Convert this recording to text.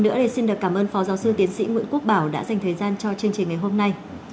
một lần nữa xin cảm ơn phó giáo sư tiến sĩ nguyễn quốc bảo đã dành thời gian cho chương trình ngày hôm nay